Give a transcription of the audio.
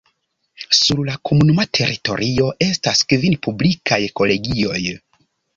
Sur la komunuma teritorio estas kvin publikaj kolegioj.